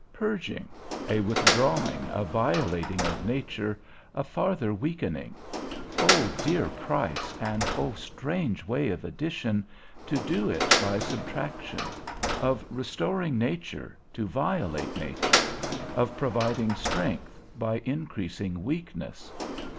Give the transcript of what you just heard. Purging; a withdrawing, a violating of nature, a farther weakening. O dear price, and O strange way of addition, to do it by subtraction; of restoring nature, to violate nature; of providing strength, by increasing weakness.